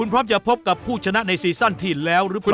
พร้อมจะพบกับผู้ชนะในซีซั่นที่แล้วหรือเปล่า